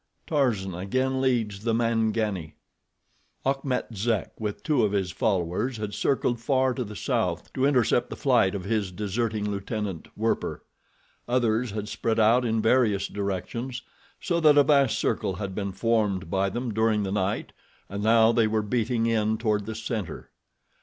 Tarzan Again Leads the Mangani Achmet Zek with two of his followers had circled far to the south to intercept the flight of his deserting lieutenant, Werper. Others had spread out in various directions, so that a vast circle had been formed by them during the night, and now they were beating in toward the center.